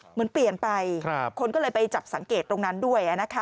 เหมือนเปลี่ยนไปคนก็เลยไปจับสังเกตตรงนั้นด้วย